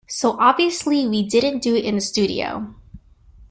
So obviously we didn't do it in the studio.